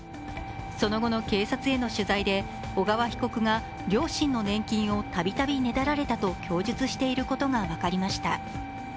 その後の警察への取材で、小川被告が両親の年金をたびたびねだられたと供述していることが分かりました。